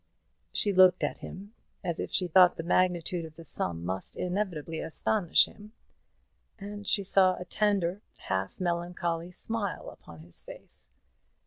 She looked at him as if she thought the magnitude of the sum must inevitably astonish him, and she saw a tender half melancholy smile upon his face.